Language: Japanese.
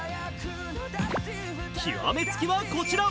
極めつきはこちら。